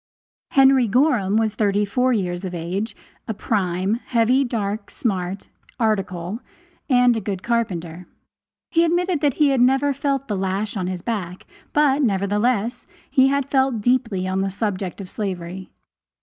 Henry Gorham was thirty four years of age, a "prime," heavy, dark, smart, "article," and a good carpenter. He admitted that he had never felt the lash on his back, but, nevertheless, he had felt deeply on the subject of slavery.